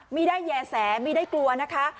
ไม่ได้แย่แสไม่ได้กลัวนะคะ